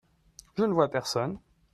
Je ne vois personne.